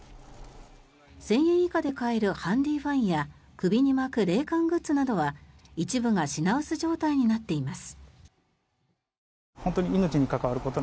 １０００円以下で買えるハンディーファンや首に巻く冷感グッズなどは一部が品薄状態になっています。